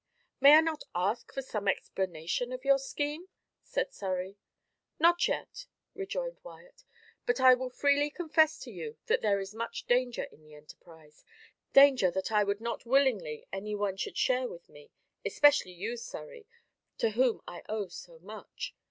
"May I not ask for some explanation of your scheme?" said Surrey. "Not yet," rejoined Wyat. "But I will freely confess to you that there is much danger in the enterprise danger that I would not willingly any one should share with me, especially you, Surrey, to whom I owe so much.